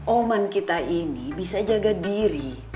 oman kita ini bisa jaga diri